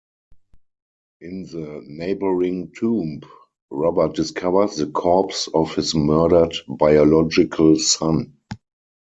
In the neighboring tomb, Robert discovers the corpse of his murdered biological son.